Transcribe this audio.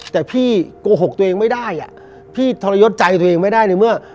แต่พี่โกหกตัวเองไม่ได้อ่ะพี่ทรยศใจตัวเองไม่ได้ในเมื่อ